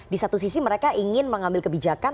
di satu sisi mereka ingin mengambil kebijakan